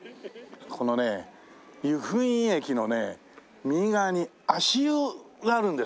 このね由布院駅のね右側に足湯があるんですよ